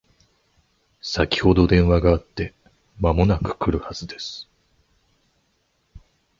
先ほど電話があって間もなく来るはずです